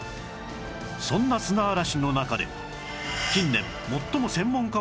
そんな砂嵐の中で